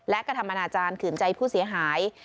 และกฎธรรมนาอาจารย์ขื่นใจผู้เสียหาย